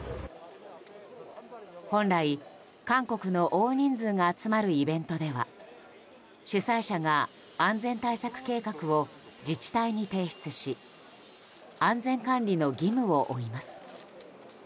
本来、韓国の大人数が集まるイベントでは主催者が安全対策計画を自治体に提出し安全管理の義務を負います。